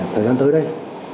thời gian tới đây